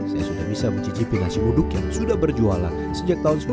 saya sudah bisa mencicipi nasi uduk yang sudah berjualan sejak tahun seribu sembilan ratus sembilan puluh